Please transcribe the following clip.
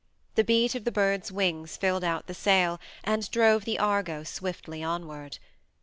The beat of the bird's wings filled out the sail and drove the Argo swiftly onward.